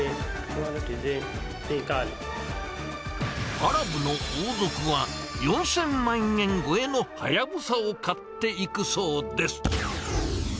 アラブの王族は、４０００万円超えのハヤブサを買っていくそうです。